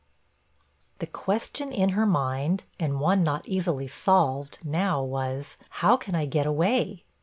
The question in her mind, and one not easily solved, now was, 'How can I get away?'